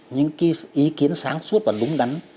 những ý kiến sáng suốt và đúng đắn